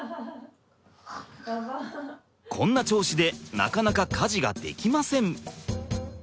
こんな調子でなかなか家事ができません。